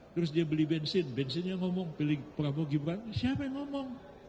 terus dia beli bensin bensinnya ngomong pilih prabowo gibran siapa yang ngomong